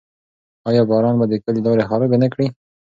آیا باران به د کلي لارې خرابې نه کړي؟